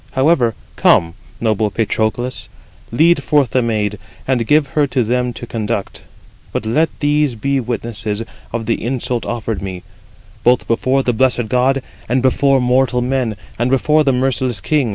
However, come, noble Patroclus, lead forth the maid, and give her to them to conduct; but let these be witnesses [of the insult offered me], both before the blessed gods, and before mortal men, and before the merciless king.